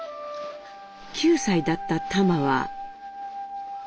９歳だったタマは。